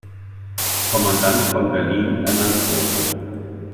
Kommandant von Berlin ernannt wurde.